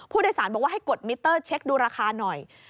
ผู้โดยสารบอกว่าให้กดมิเตอร์เช็คดูราคาหน่อย